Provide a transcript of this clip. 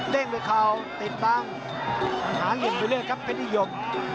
เด้งด้วยเข้าติดตั้งหาเหยียบดูเรื่องครับเพชรนิยม